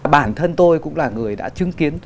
bản thân tôi cũng là người đã chứng kiến